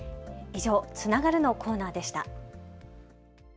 以上、つながるのコーナーでした。